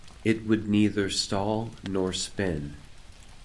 It would neither stall nor spin.